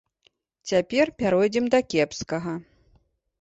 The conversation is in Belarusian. Цяпер пяройдзем да кепскага.